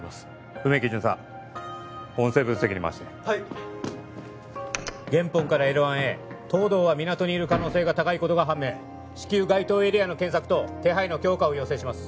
梅木巡査音声分析にまわしてはいっゲンポンからＬ１へ東堂は港にいる可能性が高いことが判明至急該当エリアの検索と手配の強化を要請します